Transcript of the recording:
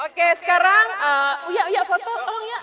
oke sekarang ya foto tolong ya